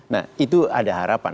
nah itu ada harapan